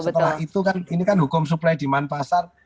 setelah itu kan ini kan hukum supraya di manpasar